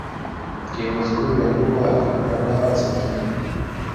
Kiongozi huyo alikuwa akimpa dawa za kinga